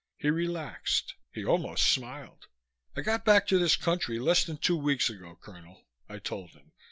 He relaxed. He almost smiled. "I got back to this country less than two weeks ago, Colonel," I told him.